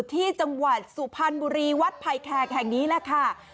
ที่จังหวัดสุพรรณบุรีวัดไผ่แขกแห่งนี้แหละค่ะ